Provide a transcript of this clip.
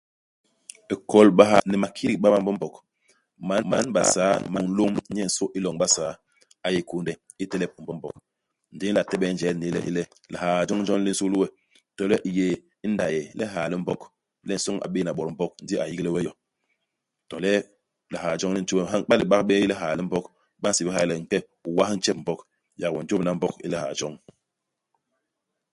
Ikolbaha ni makidik ma BaMbombog, man Basaa, mulôm nyensô i loñ Basaa, a yé kunde i telep Mbombog. Ndi u nla telebene injel ini le lihaa joñ jon li nsul we, to le u yé i ndaye, i lihaa li Mbog ; le isoñ a bé'éna Bot i Mbog ndi a yigile we yo. To le lihaa joñ li nti we. Ha iba le u bak bé i lihaa li Mbog, ba nsébél hala le u nke u was ntjep u Mbog. Yak we u njôbna Mbog i lihaa joñ.